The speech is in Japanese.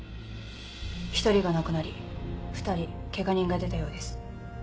１人が亡くなり２人ケガ人が出たようです。